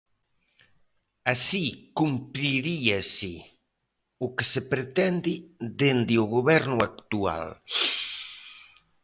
Así cumpriríase o que se pretende dende o goberno actual.